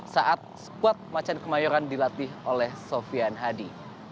saat skuad macan kemayoran dilatih oleh sofian hadi